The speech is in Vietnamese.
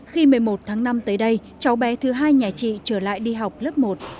khi một mươi một tháng năm tới đây cháu bé thứ hai nhà chị trở lại đi học lớp một